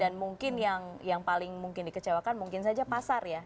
dan mungkin yang paling mungkin dikecewakan mungkin saja pasar ya